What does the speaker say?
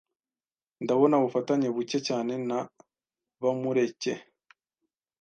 Ndabona ubufatanye buke cyane na Bamureke.